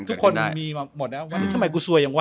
ทุกคนมีมาหมดแล้ววันนี้ทำไมกูซวยอย่างวะ